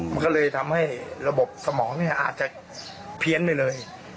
มันก็เลยทำให้ระบบสมองเนี่ยอาจจะเพี้ยนไปเลย